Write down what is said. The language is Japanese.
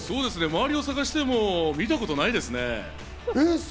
周りを探しても見たことないですね。